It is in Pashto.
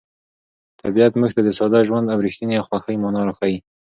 طبیعت موږ ته د ساده ژوند او رښتیني خوښۍ مانا راښيي.